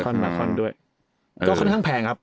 ก็ค่อนข้างแพงครับ